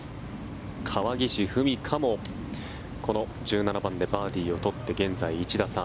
川岸史果も１７番でバーディーを取って現在、１打差。